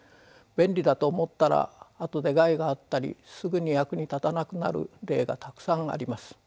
便利だと思ったらあとで害があったりすぐに役に立たなくなる例がたくさんあります。